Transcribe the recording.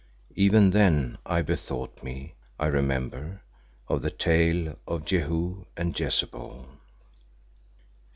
Even then I bethought me, I remember, of the tale of Jehu and Jezebel.